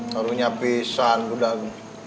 harunya pisahan budak